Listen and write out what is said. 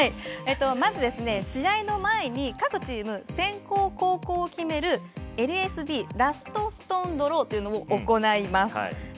まず試合の前に各チーム、先攻後攻を決めるＬＳＤラストストーンドローというのを行います。